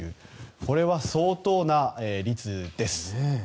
これは、相当な率です。